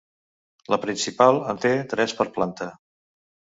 La principal en té tres per planta.